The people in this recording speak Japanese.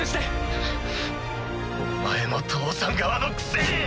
くっお前も父さん側のくせに！